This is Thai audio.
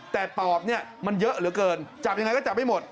แต่ปอบเนี่ยมันเยอะเหลือเกินจับยังไงก็จับไม่หมด